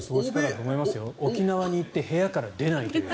沖縄に行って部屋から出ないという。